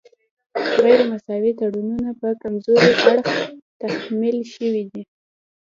غیر مساوي تړونونه په کمزوري اړخ تحمیل شوي دي